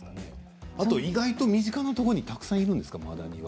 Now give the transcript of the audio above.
意外と身近なところにたくさんいるんですね。